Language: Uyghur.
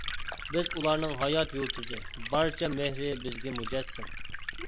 بىز ئۇلارنىڭ ھايات يۇلتۇزى، بارچە مېھرى بىزگە مۇجەسسەم.